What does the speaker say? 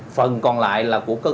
phần còn lại là của cơ cơ quan